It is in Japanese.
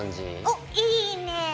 おいいね。